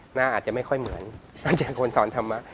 หน้าอาจจะไม่ค่อยเหมือนอาจจะคนสอนธรรมะ